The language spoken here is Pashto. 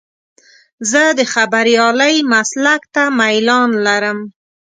زه د خبریالۍ مسلک ته میلان لرم.